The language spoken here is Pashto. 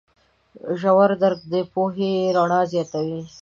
ژور درک د پوهې رڼا زیاتوي.